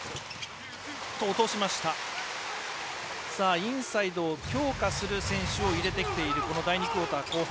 インサイドを強化する選手を入れてきている第２クオーター後半。